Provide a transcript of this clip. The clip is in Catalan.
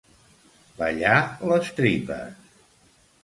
Ballar les tripes.